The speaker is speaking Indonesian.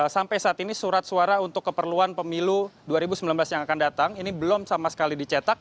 sampai saat ini surat suara untuk keperluan pemilu dua ribu sembilan belas yang akan datang ini belum sama sekali dicetak